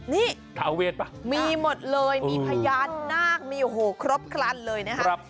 นี่มีหมดเลยมีพญานาคมีโหครบครั้นเลยนะคะ